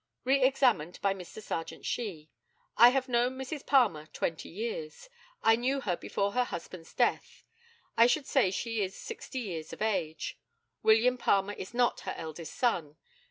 Re examined by Mr. Serjeant SHEE: I have known Mrs. Palmer twenty years. I knew her before her husband's death. I should say she is sixty years of age. William Palmer is not her eldest son.